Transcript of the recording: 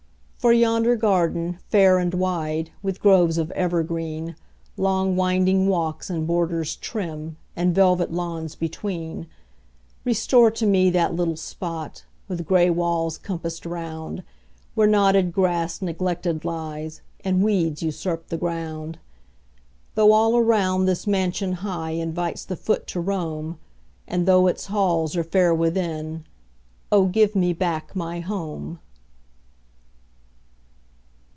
For yonder garden, fair and wide, With groves of evergreen, Long winding walks, and borders trim, And velvet lawns between; Restore to me that little spot, With gray walls compassed round, Where knotted grass neglected lies, And weeds usurp the ground. Though all around this mansion high Invites the foot to roam, And though its halls are fair within Oh, give me back my HOME!